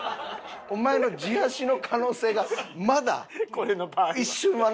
お前の自足の可能性がまだ一瞬はな。